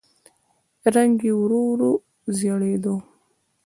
رنګ يې ورو ورو زېړېده.